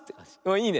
いいね。